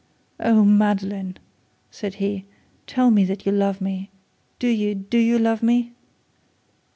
'Oh, Madeline!' said he, 'tell me that you love me do you do you love me?'